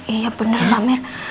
iya bener mbak mir